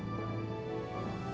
itu yang akan kamu lakukan